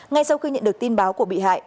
ngay sau khi nhận được tin báo của bị hại